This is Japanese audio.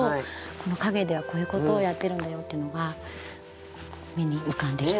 陰ではこういうことをやっているんだよっていうのが目に浮かんできて。